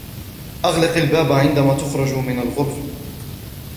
أغلق الباب عندما تخرج من الغرفة.